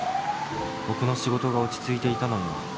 「僕の仕事が落ち着いていたのには」